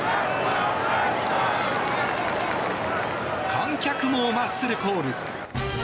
観客もマッスルコール。